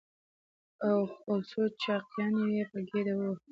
او څو چاقيانې يې په ګېډه کې ووهو.